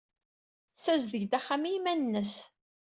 Tessazdeg-d axxam i yiman-nnes.